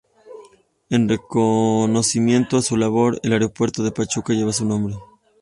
En reconocimiento a su labor, el aeropuerto de Pachuca lleva su nombre.